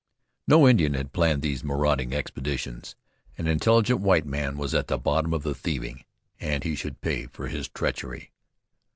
No Indian had planned these marauding expeditions. An intelligent white man was at the bottom of the thieving, and he should pay for his treachery.